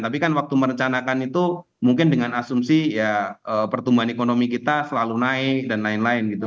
tapi kan waktu merencanakan itu mungkin dengan asumsi ya pertumbuhan ekonomi kita selalu naik dan lain lain gitu